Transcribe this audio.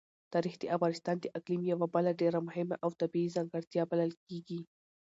تاریخ د افغانستان د اقلیم یوه بله ډېره مهمه او طبیعي ځانګړتیا بلل کېږي.